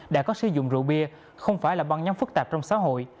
đã có sử dụng rượu bia không phải là băng nhóm phức tạp trong xã hội